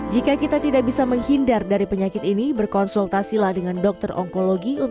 jika kita tidak bisa menghindar dari penyakit ini berkonsultasilah dengan dokter onkologi